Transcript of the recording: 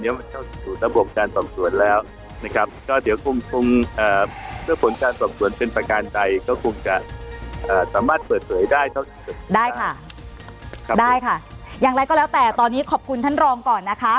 อย่างไรก็แล้วแต่ตอนนี้ขอบคุณท่านรองก่อนนะคะ